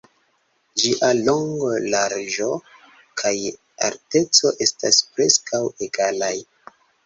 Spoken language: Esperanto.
Ĝia longo, larĝo kaj alteco estas preskaŭ egalaj.